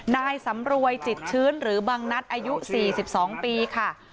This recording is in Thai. นายสำรวยจิตชื้นหรือบังนัดอายุ๔๒ปีค่ะ